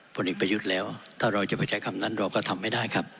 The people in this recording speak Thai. พวกนี้ไปยุดแล้วถ้าเราจะไปใช้คำนั้นเราก็ทำไม่ได้ครับ